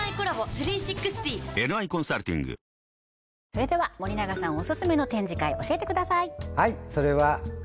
それでは森永さんオススメの展示会教えてください